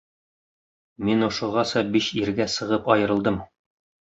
Мин ошоғаса биш иргә сығып айырылдым.